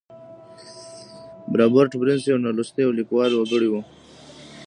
رابرټ برنس یو نالوستی او کلیوال وګړی و